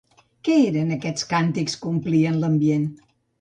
Què eren aquests càntics que omplien l'ambient?